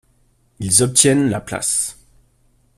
Ils obtiennent la place.